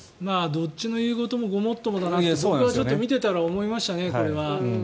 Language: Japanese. どっちの言うこともごもっともだなと僕は見ていたら思いましたね。